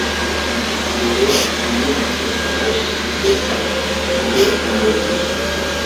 Dore uyu munsi mbashyize imbere umugisha